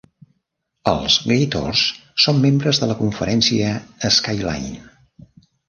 Els Gators són membres de la Conferència Skyline.